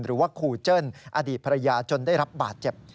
หรือว่าครูเจิ้นอดีตภรรยาจนได้รับบาดเจ็บ